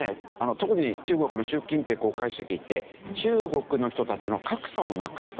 特に中国の習近平国家主席って中国の人たちの格差をなくすと。